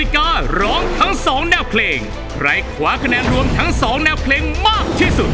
ใครขวาคะแนนรวมทั้ง๒แนวเพลงมากที่สุด